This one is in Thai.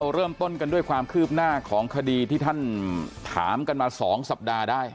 เริ่มต้นกันด้วยความคืบหน้าของคดีที่ท่านถามกันมา๒สัปดาห์ได้